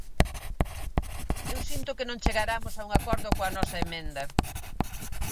Eu sinto que non chegaramos a un acordo coa nosa emenda.